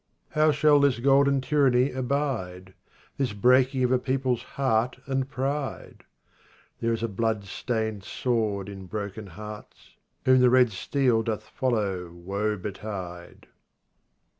33 How shall this golden tyranny abide ? This breaking of a people's heart and pride ? There is a bloodstained sword in broken hearts ; Whom the red steel doth follow woe betide